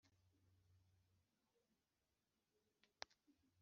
amohoro y'umutima avuga ko ayakura ku Imana